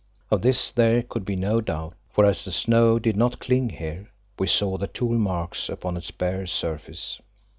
Of this there could be no doubt, for as the snow did not cling here, we saw the tool marks upon its bare surface.